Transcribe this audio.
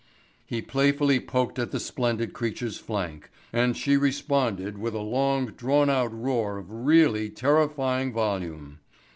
He playfully poked at the splendid creature's flank and she responded with a long drawn out roar of really terrifying volume.